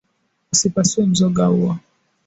Usipasue mzoga huo